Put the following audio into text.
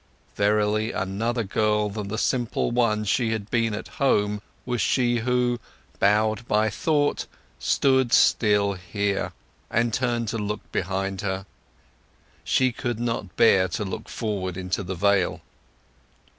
Verily another girl than the simple one she had been at home was she who, bowed by thought, stood still here, and turned to look behind her. She could not bear to look forward into the Vale.